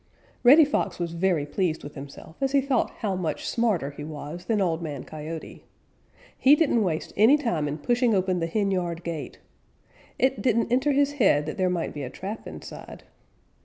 _ Reddy Fox was very pleased with himself as he thought how much smarter he was than Old Man Coyote. He didn't waste any time in pushing open the henyard gate. It didn't enter his head that there might be a trap inside.